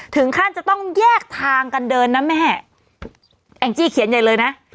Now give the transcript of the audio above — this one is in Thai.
ถึงขั้นจะต้องแยกทางกันเดินนะแม่แองจี้เขียนใหญ่เลยนะ